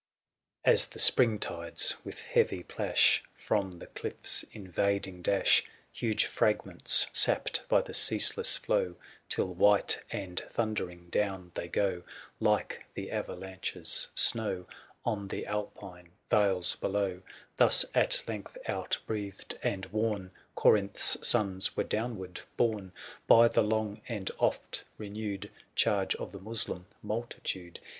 As the spring tides, with heavy plash. From the cliffs invading dash 695 Huge fragments, sapped by the ceaseless flow, Till white and thundering down they go, Like the avalanche's snow On the Alpine vales below ; Thus at length, outbreathed and worn, 700 Corinth's sons were downward borne By the long and oft renewed Charge of the Moslem multitude.